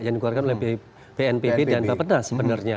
yang dikeluarkan oleh bnpb dan bapeda sebenarnya